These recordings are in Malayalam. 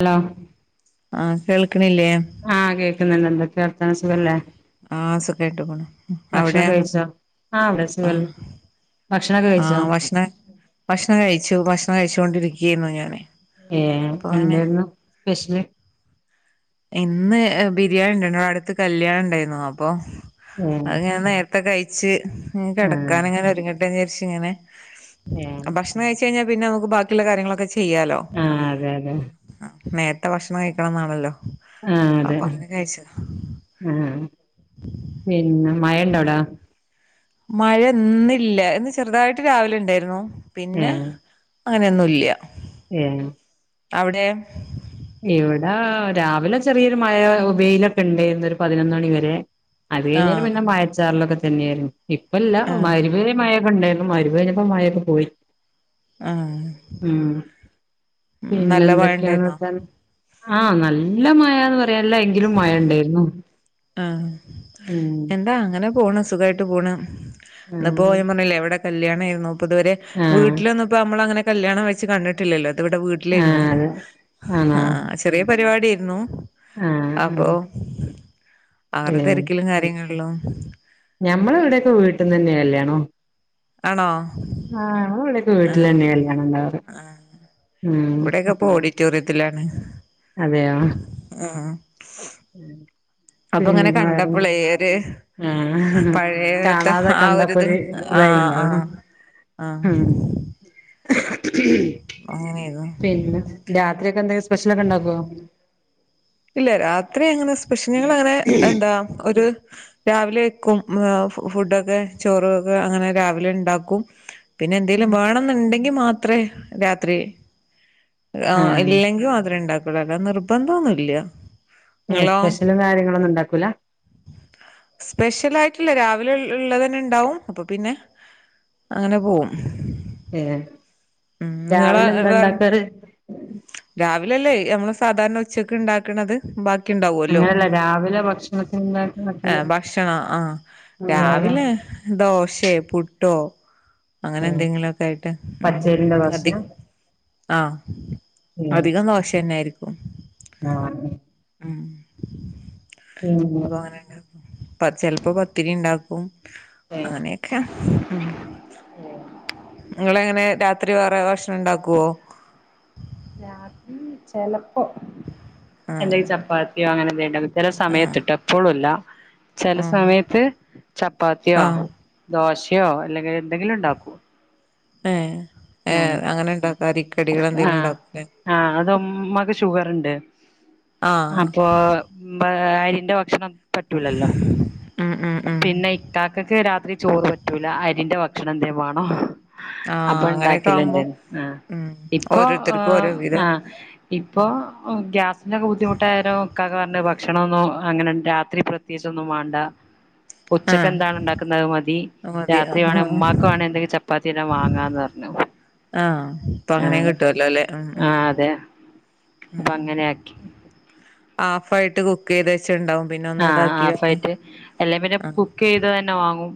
ഹലോ ആഹ് കേൾക്ക്ണില്ലേ? ആഹ് കേൾക്കുന്നുണ്ട് എന്തക്കെ വർത്താനം സുഖല്ലേ ആഹ് സുഖായിട്ട് പോണ് ഭക്ഷണം അവിടെ കഴിച്ചോ ആഹ് അവടെ [unintelligible] ആഹ് ഭക്ഷണൊക്കെ കഴിച്ചോ ആഹ് ഭക്ഷണം ഭക്ഷണം കഴിച്ചു ഭക്ഷണം കഴിച്ചോണ്ടിരിക്കേന്നു ഞാന് അപ്പൊ അങ്ങ പെഷ്ല് ഇന്ന് ബിരിയാണി ഉണ്ടായിരുന്നു. അടുത്ത് കല്യാണ ഉണ്ടായിരുന്നു അപ്പൊ ഏഹ് അത്ങ്ങനെ ക്കെ കഴിച്ച് ഇൻ ആഹ് കെടക്കാനിങ്ങനെ ഒരുങ്ങട്ടേന്ന് ജാർച്ച്ങ്ങനെ ഏഹ് ഭക്ഷ ണകഴിച്ച് കഴിഞ്ഞാ പിന്നെ നമുക്ക് ബാക്കിള്ള കാര്യങ്ങളൊക്കെ ചെയ്യാലോ ആഹ് അതെ അതെ ഉം നേർത്തെ ഭക്ഷണം കഴിക്കണംന്നാണല്ലോ ആഹ് അതെ ആഹ് പിന്നെ മഴണ്ടവ്ടെ? മഴന്നില്ല ഇന്ന് ചെർതായിട്ട് രാവിലെ ഇണ്ടായ്ർന്നു പിന്നെ അങ്ങനെന്നും ഇല്ല ഏനു അവിടെ? ഇവടാ രാവിലെ ചെറിയൊരു മഴ വെയിലൊക്കെണ്ടേർന്നു ഒരു പതിനൊന്നണി വരെ. അത് കഴിഞ്ഞേരം ആഹ് പിന്നെ മയച്ചാറലൊക്കെ തന്നേര്ന്നു ഇപ്പല്ല മ ആഹ് ഹ് റിബിവരെ മഴൊക്കെണ്ടേര്ന്നു. മഹ് രിബ്കഴിഞ്ഞപ്പോ മഴൊക്കെ പോയി ആഹ് ഉം പിന്നെ നല്ല മഴ ഉണ്ടായിരുന്നോ എന്തൊക്കെയാണർത്താനം. ആഹ് നല്ല മയാന്ന് പറയാല്ല എങ്കിലും മഴണ്ടേര്ന്നു. ആഹ് എന്താ അങ്ങനെ പോണ് സുഖായിട്ട് പോണ് ന്ന്പ്പോ ആഹ് ഞാപർഞ്ഞിലെ വടെ കല്ല്യാണേന്നു പ്പതുവരെ ആഹ് വീട്ടിലൊന്നും ഇപ്പോ അമ്മള അങ്ങനെ കല്ല്യാണം വെച്ച് കണ്ടിട്ടില്ലല്ലോ ഇത് ഇവടെ വീ ട്ടിലേര്ന്നു ആഹ് അതെ ആണോ ആഹ് ചെറിയ പരിപാടിയേര്ന്നു. ആഹ് ആഹ് ആഹ് ഒര് ഏഹ് തെർക്കിലും കാര്യങ്ങള്ലും ഞമ്മളെ ഇവടെക്കെ വീട്ട്ന്നന്നേ കല്ല്യാണം. ആണോ? ആഹ് ഞമ്മളെ ഇവടെക്കെ വീട്ടിലന്നെ കല്ല്യാണംണ്ടാവാറ്. ഇവിടെയൊക്കെ ഇപ്പൊ ഓഡിറ്റോറിയത്തിലാണ് അതെയോ ആഹ് ആഹ് ഉം അപ്പങ്ങനെ കണ്ടപ്പളേ എര് ആഹ് പഴയത്തെ കാണാതെ ആ ഒരു കണ്ടപ്പോ ഇത് ഇതായി ആഹ് ഇണ്ടാവും ആഹ് ആഹ് ഉം അങ്ങനെയായിരുന്നു പിന്നെ രാത്രിയൊക്കെ എന്തേലും സ്പെഷലൊക്കെണ്ടാക്കോ? ഇല്ല രാത്രി അങ്ങനെ സ്പെഷ്യൽ ഞങ്ങള അങ്ങനെ എന്താ ഒരു രാവിലെ വെക്കും ഫു ഫുഡൊക്കെ ചോറൊക്കെ അങ്ങനെ രാവിലെ ഇണ്ടാക്കും. പിന്നെ എന്തേലും വേണന്നൊണ്ടെങ്കി മാത്രേ രാത്രി ആഹ് ഇല്ലെങ്കിൽ മാത്രേണ്ടാക്കൊള്ളു അല്ല നിർബന്ധം ഒന്നൂല്ല. ഏ സ്പെഷ്യലും കാര്യങ്ങളൊന്നും ഉണ്ടാക്കൂല സ്പെഷ്യൽ ആയിട്ടില്ല രാവിലെ ഇ ഇള്ളത് തന്നെ ഉണ്ടാവും അപ്പൊ പിന്നെ അങ്ങനെ പോകും ഏഹ് ഉം നിങ്ങള് രാവിലെ എന്താ വേറെ ഇണ്ടാക്കാറ് രാവിലല്ലേ നമ്മള് സാധാരണ ഉച്ചക്ക് ഉണ്ടാക്കണത് ബാക്കി ഉണ്ടാവല്ലോ അങ്ങനെയല്ല രാവിലെ ഭക്ഷണത്തിന് ഉണ്ടാക്കുന്ന പറ്റില്ല. ആഹ് ഭക്ഷണം ആഹ് രാവിലെ ദോശയൊ പുട്ടോ അങ്ങനെ എന്തെങ്കിലുമൊക്കെ ആയിട്ട് ഉം പച്ചരിന്റെ ദോശ അധികം ആഹ് പിന്നെ അധികം ദോശ തന്നൊയിരിക്കും ഉം അപ്പൊ അങ്ങനെയങ്ങ് ചെിപ്പോ പത്തിരി ഉണ്ടാക്കും അങ്ങനെയൊക്കെ ഉം ഉം നിങ്ങളെങ്ങനെ രാത്രി വേറെ ഭക്ഷണം ഉണ്ടാക്കുമോ രാത്രി ചെിലപ്പോ ആഹ് എന്തെങ്കിലും ചപ്പാത്തിയോ അങ്ങനെന്തെണ്ടക്കും ചില ആഹ് സമയത്ത് ട്ടൊ എപ്പോഴുംല്ല ചില ആഹ് സമയത്ത് ചപ്പാത്തിയോ ആഹ് ദോശയോ അല്ലെങ്കിൽ എന്തെങ്കിലും ഉണ്ടാക്കും ഏഹ് ഏഹ് അങ്ങനെ ഉണ്ടാക്കും അരിരക്കടികൾ ആ ആ എന്തെലും ഉണ്ടാക്കുലെ ആ അത് ഉമ്മാക്ക് ആഹ് ഇപ്പൊ ഏഹ് അരിന്റെ ഭക്ഷണം പറ്റൂലല്ലോ ഉം ഉം ഉം പിന്നെ ഇകാക്കക്ക് രാത്രി ചോറ് പറ്റൂല അരിന്റെ ഭക്ഷണന്തേമാണം ആഹ് ഇപ്പൊ അങ്ങനെയൊക്കെ ഉണ്ടാക്കലുണ്ട് ആവുമ്പോ ആഹ് ഉം ഇപ്പൊ ഓരോരുത്തർക്കും ഓരോ വിധം ആഹ് ഇപ്പൊ ഗ്യാസിൻ്റൊക്കെ ബുദ്ധിമുട്ടായാരെ ഇക്കാക്ക പറഞ്ഞു ഭക്ഷണമൊന്നും അങ്ങനെ രാത്രി പ്രത്യേകിച്ചൊന്നും വേണ്ട ഉച്ചക്ക് എന്താണ് ആഹ് ഉണ്ടാക്കുന്നത് മതി മതി രാത്രി ആഹ് വേണേൽ ഉമ്മാക്ക് എന്തങ്കിലും ചപ്പാത്തി എല്ലാം വാങ്ങാന്ന് പറഞ്ഞ് ആഹ് അപ്പൊ അങ്ങനെയും കിട്ടുവല്ലോലെ ഉം അറപ്പൊ അങ്ങനെ ആക്കി ഹാഫ് ആയിട്ട് കുക്ക് ചെയ്ത് വെച്ചുണ്ടാവും പിന്നെ ആ ഒന്ന് ഹാഫ് ഇതാക്കിയാമതി ആയിട്ട് അല്ലെ പിന്നെ ആഹ് കുക്ക് ചെയ്തത് തന്നെ വാങ്ങും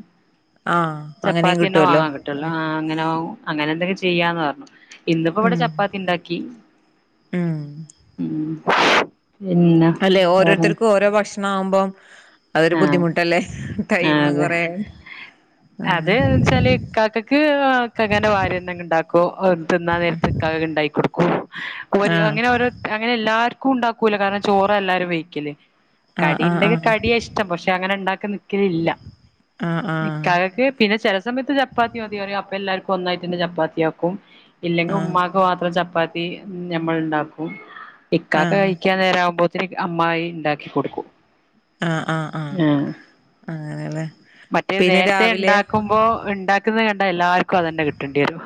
ആഹ് അങ്ങനെയും ചപ്പാത്തി തന്നെ കിട്ടുവല്ലോ വാങ്ങാൻ കിട്ടല്ലോ ഉം ആഹ് അങ്ങനെ അങ്ങനെ എന്തൊക്കെ ചെയ്യാന്ന് പറഞ്ഞു ഇന്നിപ്പോ ഇവിടെ ഉം ചപ്പാത്തി ഉണ്ടാക്കി ഉം ഉം പിന്നെ അല്ലെ വേറെ ഓരോരുത്തർക്കും ഓരോ ഭക്ഷണാകുമ്പം അതൊരു ആഹ് ബുദ്ധിമുട്ടല്ലേ ആഹ് ടൈമും അതെ കുറെ ചില ഇക്കാക്കക്ക് ഇകാകാന്റെ ഭാര്യ എന്തെങ്കി ഉണ്ടാക്കും തിന്നാൻ നേരത്തെ ഇക്കാക്കക്ക് ഉണ്ടായി കൊടുക്കും ആഹ് അങ്ങനെ ഓരോ അങ്ങനെ എല്ലാർക്കും ഉണ്ടാക്കൂല കാരണം ചോറാ എല്ലാരും വെയ്ക്കല് ആഹ് കടിയുണ്ടങ്കി ആഹ് കടിയ ഇഷ്ടം പക്ഷെ അങ്ങനെ ഉണ്ടാക്കാൻ നിക്കലില്ല ആഹ് ആഹ് ഇക്കാക്കക്ക് പിന്നെ ചില സമയത്ത് ചപ്പാത്തി മതി പറയും അപ്പൊ എല്ലാവർക്കും ഒന്നായിട്ട്ന്നെ ചപ്പാത്തിയാക്കും ഇല്ലെങ്കിൽ ആഹ് ഉമ്മാക്ക് മാത്രം ചപ്പാത്തി നമ്മൾ ഉണ്ടാക്കും ഇക്കാക്ക് ആഹ് കഴിക്കാൻ നേരം ആകുമ്പോ ഇത്തിരി അമ്മായി ഉണ്ടാക്കി കൊടുക്കും ആഹ് ആഹ് ആഹ് അങ്ങനെല്ലേ മറ്റേ പിന്നെ നേരത്തെ രാവിലെ ഉണ്ടാക്കുമ്പോ ഉണ്ടാ ക്കുന്നത് കണ്ടാ എല്ലാവർക്കും അതന്നെ കിട്ടേണ്ടി വരും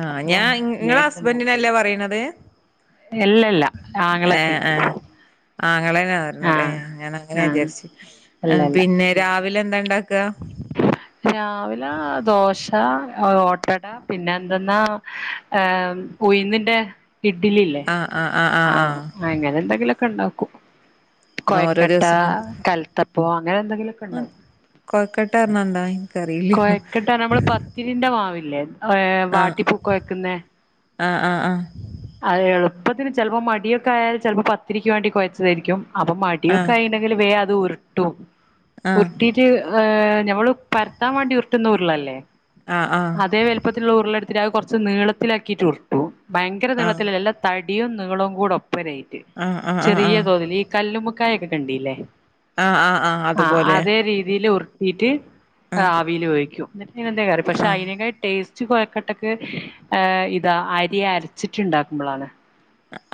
ആഹ് അപ്പൊ ഞാൻ നിങ്ങളെ നേരത്തെ ഹസ്ബൻറിനല്ലേ പറയണത് അല്ലല്ല ആങ്ങളക്ക് ആങ്ങളെനെ പറഞ്ഞല്ലേ ആഹ് ഞാൻ അങ്ങനെ ആഹ് വിചാരിച്ചു അല്ലല്ല പിന്നെ രാവിലെ എന്താ ഉണ്ടാക്കുക രാവിലെ ദോശ ഓട്ടട പിന്നെ എന്തെന്നാ ഏ ഉയുന്നിന്റെ ഇഡ്ലില്ലേ ആഹ് ആഹ് ആഹ് ആഹ് ആഹ അങ്ങനെ എന്തെങ്കിലുംഒക്കെ ഉണ്ടാക്കൂ. ആഹ് ഓരോ കൊഴക്കട്ട ദിവസം കൽത്തപ്പൊ അങ്ങനെ എന്തെങ്കിലൊക്കെ ഉണ്ടാക്കും. കൊഴക്കെട്ടാന്നർഞ്ഞ എന്താ അഹ് ഇൻക്അറീലേയ്ന്നു. ത്തിരിന്റെ മാവില്ലേ വാട്ടിപ്കൊയകുന്നേ? ആഹ് ആഹ് ആഹ്. എളുപ്പത്തിന് ചെലപ്പോ മടിയൊക്കെ ആയാ ചെലപ്പോ പത്തിരിക്ക് വേണ്ടി കൊഴച്ചതായ്രിക്കും അപ്പൊ മടിയൊക്കെ ആഹ് ആയി വേ അത് ഉരുട്ടും ഉരു ആഹ് കിട്ടീട്ട് ഞമ്മള് പരത്താൻ വേണ്ടി ഉർട്ടുന്ന ഉറുളല്ലേ? ആഹ് ആഹ് അതേ വലുപ്പത്തിലുള്ള ഉരുളെടുത്തിട്ട് അത് കുറച്ച് നീളത്തിലാക്കിട്ട് ഉർട്ടു ഭയങ്കര ആഹ് നീളത്തിലല്ല. തടിയും നീളവും കൂടെ ഒപ്പരയിട്ട് ആഹ് ആഹ് ആഹ് ചെറിയ ആഹ് തോതിൽ ഈ കല്ലുമ്മക്കായ ഒക്കെ കണ്ടീല്ലേ. ആഹ് ആഹ് ആഹ് ആഹ അതുപോലെ അതേ രീതിയിൽഒരു. കീട്ട് ആഹ് ആവിയിൽ വേവിക്കും നല്ല കറി പക്ഷെ ആഹ് അതിനേക്കാൾ ടേസ്റ്റ്. കൊച്ച കൊഴക്കട്ടക്കെ ഏ ഇതാ അരി അരച്ചിട്ടുണ്ടാക്കുമ്പളാണ്.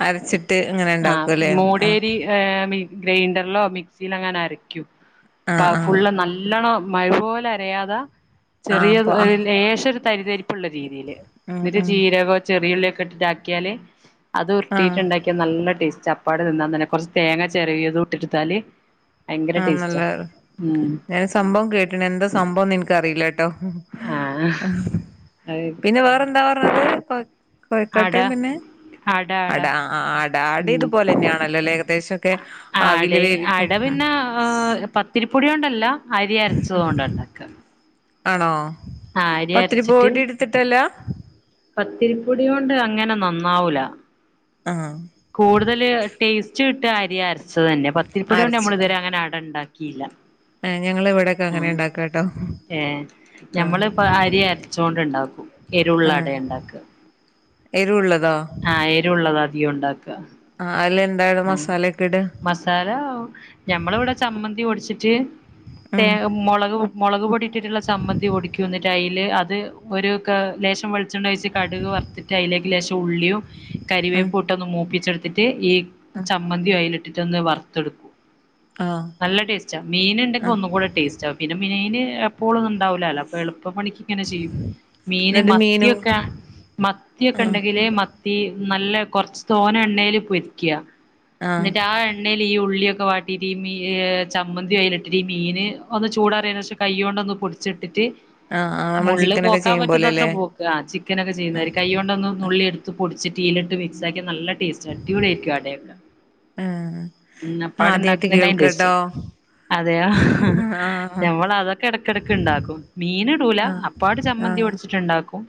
അരച്ചിട്ട് ഇങ്ങനെ ഉണ്ടാക്കും അല്ലേ ആ. ഹ ഗ്രൈൻഡറിലോ മിക്സിയിലോ അങ്ങനെ അരക്കും അ ആഹ് ആഹ് ഫുള്ള് നല്ലോണം. മഴപോലെ അരയാതെ ആഹ് ചെറിയ അപ്പൊ ഒരു ആഹ് ലേശം തരിതരിപ്പുള്ള രീതിയില്. ഉം ന്ന്ട്ട് ഉം ജീരകോ ചെറിയുള്ളിയൊക്കെ ഇട്ടിട്ടാക്കിയാല് അത് ആഹ് ഉരുട്ടിയിട്ട്ണ്ടാക്. നല്ല ടേസ്റ്റ അപ്പാട് തിന്നാൻ തന്നെ കുറച്ച് തേങ്ങ ചെരകിയത് ഇട്ടെടുത്താല്. ആന്നല്ലെ. ഞാൻ സംഭവം കേട്ടിന് എന്താ സംഭവംന്ന് എനിക്കറിയില്ല ട്ടോ? ആഹ് അത് പിന്നെ വേറെ എന്താ പറഞ്ഞത് കൊ അട കൊഴക്കട്ടേ പിന്നെ അട അട അടാ. ആ അട അട ഉം ഇതുപോലെ തന്നെയാണല്ലോല്ലേ ഏകദേശോക്കെ ആഹ് അട ആവിൽ വേവിക്കും. അട പിന്നെ പത്തിരിപ്പൊടി കൊണ്ടല്ല അരി അരച്ചതോണ്ട ഉണ്ടാക്ക. ആണോ ആഹ് അരി പത്തിരി അരച്ചിട്ട് പൊടി ഇട്ത്തിട്ടല്ല. പത്തിരിപ്പൊടി കൊണ്ട് അങ്ങനെ നന്നാവൂല. ആഹ് കൂടുതല് ടേസ്റ്റ് കിട്ട അരിയാണ് വെച്ച് തന്നെ പത്തിരിപ്പൊടി കൊണ്ട് നമ്മൾ അരച്ചിട്ട് ഇതുവരെ അങ്ങനെ അടണ്ടാക്കിയില്ല. ആഹ് ഞങ്ങള് ഇവിടെക്കെ ആ അങ്ങനെ ഇണ്ടാക്കാട്ടോ ഏ ആഹ് ഞമ്മളിപ്പോ അരി അരച്ചൊണ്ട് ഇണ്ടാക്കും. എരുള്ള അടെ ഇണ്ടാക്കുക. എരുള്ളതോ? ആഹ് എരു ഉള്ളത അധികവും ഉണ്ടാക്കുക. ആ അതിലെന്തായിട മസാല ഒക്കെ ഇട. ല ഞമ്മള ഇവിടെ ചമ്മന്തി പൊടിച്ചിട്ട് ഉം മുളക്. മുളക് പൊടി ഇട്ടിട്ട്ള്ള ചമ്മന്തി പൊടിക്കും എന്നിട്ടയ്ല് അത് ഒരു കെ ലേശം വെൾ വെളിച്ചെണ്ണ ഒഴിച്ച് കടുക് വറ്ത്തിട്ട് അയിലേക് ലേശം ഉള്ളിയും ഉം കരിവേപു ഇട്ടൊ ഒന്ന് മൂപ്പിച്ചെ ന്നിട്ട് ഈ ആഹ് ചമ്മന്തി അയ്ലിട്ടിട്ട് ഒന്ന് വറുത്തെടുകും. ആഹ് നല്ല ടേസ്റ്റ മീൻ ഉണ്ടെങ്കി ആഹ് ഒന്നും കൂടെ ടേസ്റ്റ പിന്നെ മീന് എപ്പോഴും ഒന്നു ഉണ്ടാവൂലാല്ലോ അപ്പഎൾപ്പ പണിക്ക്. ങ്ങനെ ചെയ്യും മീന് എന്നിട്ട് മീനും മത്തിയൊക്കെ മത്തിയൊക്കെ ആഹ് ഉണ്ടെങ്കി മത്തി നല്ല കൊറച്ച് തോനെ എണ്ണേല് പൊരിക്ക. ആഹ് ന്ന്ട്ട് ആ എണ്ണേല് ഈ ഉള്ളിയൊക്കെ വാ ചമ്മന്തി അയില് ഇട്ടിട്ട് മീന് ഒന്ന് ചൂടാറിയന്ന്ശേഷം കൈയോണ്ടൊന്ന് പൊടിച്ച് എടുത്തിട്ട്. ആഹ് ആഹ് നമ്മള് മുള്ള് ചിക്കനൊക്കെ പോക്കാൻ ചെയ്യും പറ്റുന്ന അത്ര പോലെല്ലേ പോക്കാ ചിക്കനൊക്കെ ആഹ് ചെയ്യ്ന്നാരി കയ്യൊണ്ടോന്ന്. നുള്ളി എടുത്ത് പൊടിച്ചിട്ട് യിലിട്ട് മിക്സ് ആക്കി നല്ല ടേസ്റ്റ് അടിപൊളി ആയിരിക്കും അടയൊക്കെ. ആഹ് ഉം അപ്പാട് ആദ്യായിട്ട് ഉണ്ടാക്കുന്നെക്കായി ടേസ്റ്റ് കേൾക്കാട്ടോ അതെയോ ആഹ് ആഹ് ഞമ്മള് അതൊക്കെ എടക്കെടെക്ക് ഉണ്ടാക്കും മീന് ട്ടൂല അപ്പാട് ചമ്മന്തി ആഹ് പൊടിച്ചിട്ടുണ്ടാക്കും.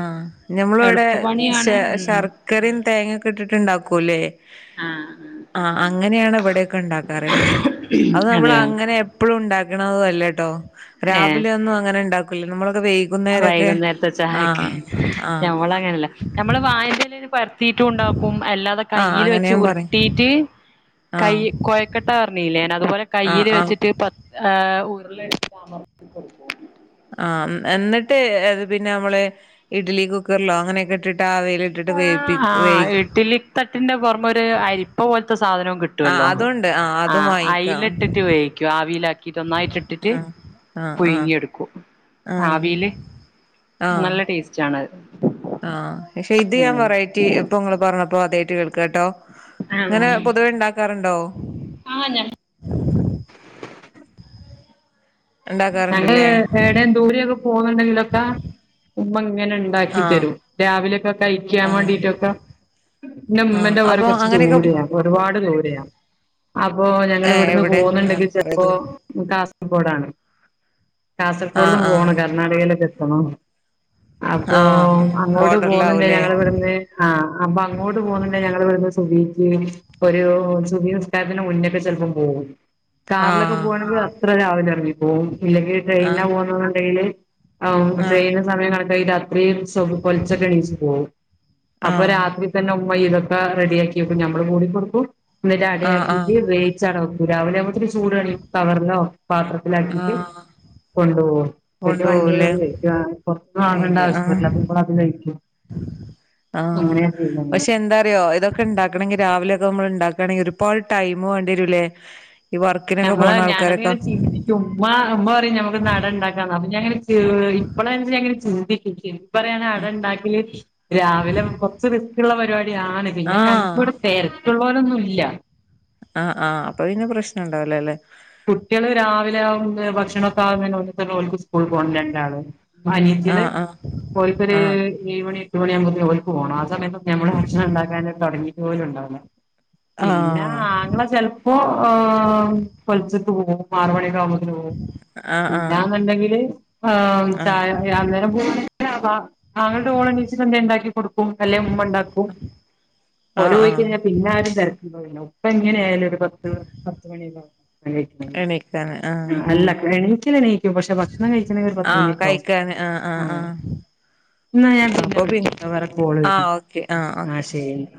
ആഹ് ഞമ്മളിവിടെ എളുപ്പ പണിയാണ് ഉം ശർക്കരിം തേങ്ങൊക്കെ ഇട്ടിട്ട്ണ്ടാക്കൂല്ലേ? ആഹ് ആഹ് അങ്ങനെയാണ് ഇവിടെക്കെ ഉണ്ടാക്കാറ് അത് നമ്മൾ അതെയോ അങ്ങനെ എപ്പളും ഉണ്ടാക്കണതും അല്ലേട്ടോ ഏഹ് രാവിലെ ഒന്നും അങ്ങനെ ഉണ്ടാക്കൂല നമ്മളൊക്കെ വൈകുന്നേരൊക്കെ ആഹ് [unintelligible] ആഹ് ഞമ്മള് അങ്ങനെയല്ല നമ്മള് വാഴന്റെ എലേല് പര ത്തീട്ടും ഉണ്ടാക്കും അല്ലാതെ ആഹ് കൈയിൽ അങ്ങനെ വെച്ച് ഞാൻ പറയും ഉരുട്ടീട്ട് കൈ ആഹ് കൊഴക്കട്ട പറഞ്ഞില്ലേ ഞാന് അതുപോലെ ആഹ് കയ്യിൽ ആഹ് വച്ചിട്ട് പത്ത് ഏഹ് ഉരുള എടുത്തിട്ട് അമർത്തി കൊടുക്കും ആഹ് എന്നിട്ട് പിന്നെ നമ്മള് ഇഡ്ലി കുക്കറിലോ അങ്ങനെയൊക്കെ ഇട്ടിട്ട് ആവീല് ഇട്ടിട്ട് വേവിപ്പി വേവി ആഹ് ഇഡ്ഡലി തട്ടിന്റെ പുറമെ ഒരു അരിപ്പ പോലത്തെ സാധനവും കിട്ടു ആഹ് ട്ടോല്ലോ അതുണ്ട് ആഹ് ആ അതും അയ്ൽ വാങ്ങിക്കാം ഇട്ടിട്ട് വേവിക്കും ആവീലാക്കീട്ട് ഒന്നായിട്ട് ഇട്ടിട്ട് ആഹ് ആഹ് ആഹ് പുഴങ്ങി എടുക്കും ആഹ് ആവീല് ആഹ് നല്ല ടേസ്റ്റ് ആണത് ആഹ് പക്ഷെ ഇത് ഞാൻ ആഹ് കൊറേ ആയ്റ്റ് ഇപ്പൊങ്ങൾ പറഞ്ഞപ്പോ അതായിട്ട് കേൾക്കാട്ടോ ഇങ്ങനെ ആഹ് പൊതുവെ ഇണ്ടാക്കാറുണ്ടോ? ഉണ്ടാക്കാറുണ്ട്ല്ലേ ഏഹ് ദൂരെയൊക്കെ പോവാണ്ടെങ്കിലൊക്കെ ഉമ്മ ഇങ്ങനെ ഉണ്ടാക്കി ആഹ് തരും രാവിലെയൊക്കെ കഴിക്കാൻ ആഹ് വേണ്ടിട്ടൊക്കെ എന്റെ ആഹ് ഉമ്മന്റെ പൊര അപ്പൊ കുറച്ച് അങ്ങനെയൊക്കെ ദൂരെയാ ഒരുപാട് ദൂരെയാ അപ്പോ ഞങ്ങള് ഏഹ് ഇവിടുന്ന് എവിടെ ആഹ് പോവുന്നുണ്ടെങ്കിൽ കൊറേ ചിലപ്പോ ദൂ കാസർഗോഡാണ് ആഹ് കാസർഗോഡ്ന്നും ആഹ് പോണം കർണാടകയിലൊക്ക എത്തണം അപ്പൊ ആഹ് അങ്ങോട്ട് പോവ്ന്നുണ്ടെങ്കിൽ ബോർഡറിലാവൂലേ ഞങ്ങളെ ഇവിടുന്ന് ആഹ് അപ്പൊ അങ്ങോട്ട് പോവുന്നുണ്ടെങ്കിൽ ഞങ്ങള് ഇവിടുന്ന് സുബ്ഹിക്ക് ഒരു സുബ്ഹിനിസ്കാരത്തിന്റ മുന്നക്കെ ചെലപ്പം പോകും കാറിലൊക്കെ ആഹ് പോവാണെങ്കിൽ അത്ര രാവിലെ എറങ്ങി പോവും ഇല്ലെങ്കിൽ ട്രെയിനില ആഹ് പോകുന്നുണ്ടെങ്കില് ഔ ആഹ് ട്രെയിൻ സമയം കണക്കാക്കി അത്രീം [unintelligible] പൊലച്ചക്ക്‌ എണീച്ചു പോവും അപ്പൊ ആഹ് രാത്രി തന്നെ ഉമ്മ ഇതൊക്കെ റെഡി ആക്കി വക്കും ഞമ്മളും കൂടി കൊടുക്കും എന്നിട്ട് ആഹ് അടയാക്കിയിട്ട് ആഹ് വേവിച്ചവടെ വെക്കും രാവിലെ ആവൂമ്പോത്തിന് ചൂടണി കവറിലോ പാത്ര ത്രത്തിലാക്കീട്ട് ആഹ് കൊണ്ടോവും [unintelligible] വണ്ടി കൊണ്ടുപോകൂലേ കഴിക്കും ആഹ് പുറത്തു നിന്ന് വാങ്ങേണ്ട അയ്യോ ആവശ്യന്നൂല്ല ആഹ് [unintelligible] അത് കഴിക്കും ആഹ് അങ്ങനെയാ ചെയ്യല് ഞങ്ങള് പക്ഷെ എന്താറിയോ ഇതൊക്കെ ഉണ്ടാക്കണെങ്കിൽ രാവിലെ ഒക്കെ നമ്മൾ ഉണ്ടാക്കണെങ്കിൽ ഒരുപാട് ടൈം വേണ്ടി വരൂലേ ഈ വർക്കിനൊക്കെ പോണ ആൾക്കാരൊക്കെ ഉമ്മാ ഉമ്മ പറയും ഞമ്മക്ക് ഇന്ന് അട ഉണ്ടാക്കാം അപ്പൊ ഞാങ്ങനെ ഇപ്പളാണേച്ചാ ഞാൻ ഇങ്ങനെ ചിന്തിക്കും ഇപ്പ പറയാണ് അട ഉണ്ടാക്കല് രാവിലെ കുറച്ച് റിസ്ക്കുള്ള പരിപാടിയാണ് പിന്നെ ആഹ് ഞങ്ങക്കിവിടെ തിരക്കുള്ളോലൊന്നും ഇല്ല ആഹ് ആഹ് അപ്പൊ പിന്നെ പ്രശ്നണ്ടാവൂലാ അല്ലെ കുട്ട്യാള് രാവിലെ ആവുമ്പോ ഭക്ഷണ ഒക്കെ ആകുന്നേന് ഓല്ക്ക്‌ തന്നെ ഓല്ക്ക് സ്കൂൾ പോണം രണ്ടാള് ഇപ്പോ അനിയത്തിയാള് ആഹ് ആഹ് ഓൽക്കൊര് ആഹ് ഏയ് മണി എട്ട് മണി ആവൂമ്പത്തിന് ഓൽക്ക്‌ പോണം ആ സമയത്ത് നമ്മള് ഭക്ഷണം ഉണ്ടാക്കാന് തുടങ്ങയിട്ട് പോലും ഉണ്ടാവില്ല പിന്നെ ആഹ് അങ്ങള ചെലപ്പോ ഏഹ് പൊലച്ചക്ക്‌ പോകും ആറ് മണിയൊക്കെ ആവുമ്പോ ത്തിന് പോവും ആഹ് പിന്നാന്നുണ്ടെങ്കില് ആഹ് ചായ അന്നേരം പോ ര വ ആങ്ങളന്റെ ഓള് എണീച്ച്ട്ട് എന്തേ ഉണ്ടാക്കി കൊടുക്കും അല്ലേ ഉമ്മ ഉണ്ടാക്കും ഓന് ആഹ് ആഹ് ഒഴിവില്ല പിന്നെ ആരും തിരക്കി പോവില്ല ഇപ്പ എങ്ങനെ ആയാലും ഒരു പത്ത് പത്ത്മണിയൊക്കെ ആവും എണീക്കണങ്കിൽ എണീക്കാന് ആഹ് അല്ല എണീക്കല എണീക്കും പക്ഷെ ഭക്ഷണം കഴിക്കണെങ്കിൽ ഒരു പത്തുമണിയൊക്കെ ആവും ക്കെ ആഹ് ആഹ് ആഹ് എന്നാ ഞാൻ അപ്പൊ പിന്നെ വിളിക്കാട്ടോ വേറെ കോള് ആഹ് വരുന്നു ഓക്കെ ആഹ് ഓക്കെ ശരി എന്നാ